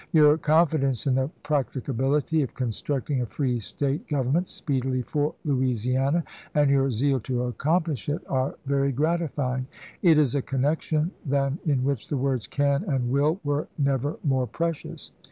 Your confi dence in the practicability of constructing a free State government speedily for Louisiana, and your zeal to accomplish it, are very gratifying. It is a connection, than in which the words "caw" and '^wilV^ were never more precious.